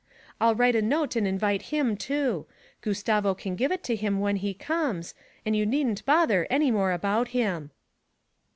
I'll write a note and invite him too Gustavo can give it to him when he comes, and you needn't bother any more about him.'